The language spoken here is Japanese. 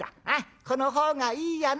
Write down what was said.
このほうがいいやな。